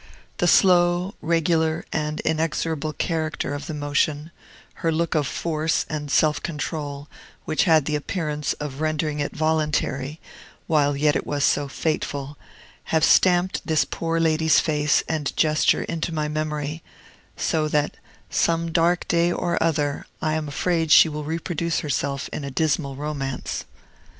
The slow, regular, and inexorable character of the motion her look of force and self control, which had the appearance of rendering it voluntary, while yet it was so fateful have stamped this poor lady's face and gesture into my memory; so that, some dark day or other, I am afraid she will reproduce herself in a dismal romance.